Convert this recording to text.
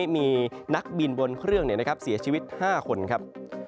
มีนักบินบนเครื่องเสียชีวิต๕คนครับ